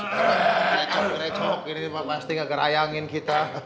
terecok terecok ini pasti gak kerayangin kita